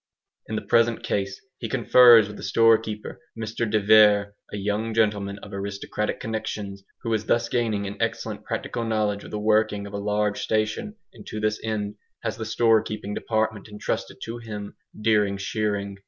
In the present case he confers with the storekeeper, Mr de Vere, a young gentleman of aristocratic connexions who is thus gaining an excellent practical knowledge of the working of a large station and to this end has the store keeping department entrusted to him during shearing.